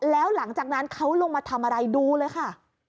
แล้วหลังจากนั้นเขาลงมาทำอะไรดูเลยค่ะ